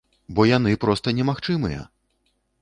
Бо яны проста немагчымыя!